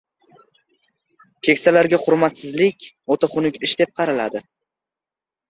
Keksalarga hurmatsizlik o‘ta xunuk ish deb qaraladi.